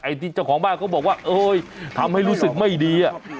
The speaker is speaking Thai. ที่เจ้าของบ้านเขาบอกว่าเอ้ยทำให้รู้สึกไม่ดีอ่ะ